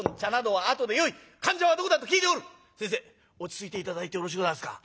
「先生落ち着いて頂いてよろしゅうございますか。